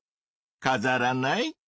かざらない？